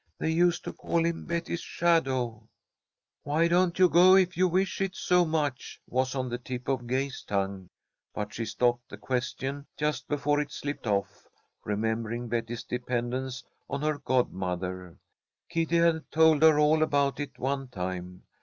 They used to call him 'Betty's shadow.'" "Why don't you go if you wish it so much?" was on the tip of Gay's tongue, but she stopped the question just before it slipped off, remembering Betty's dependence on her godmother. Kitty had told her all about it one time.